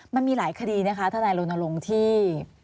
มันมีหลายคดีนะคะทนายรณรงค์ที่